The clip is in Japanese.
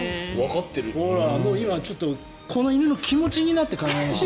今ちょっとこの犬の気持ちになって考えました。